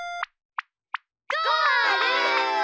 ゴール！